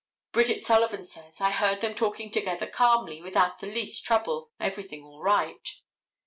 Bridget Sullivan says: "I heard them talking together calmly, without the least trouble, everything all right."